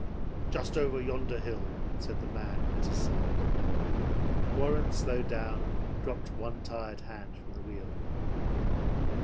"Just over yonder hill," said the man at his side. Warren slowed down, and dropped one tired hand from the wheel.